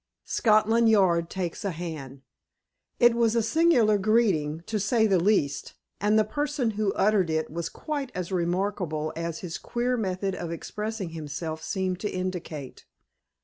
Scotland Yard Takes a Hand It was a singular greeting, to say the least, and the person who uttered it was quite as remarkable as his queer method of expressing himself seemed to indicate.